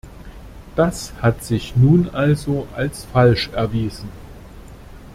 Das hat sich nun also als falsch erwiesen.